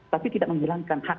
tapi tidak menghilangkan hak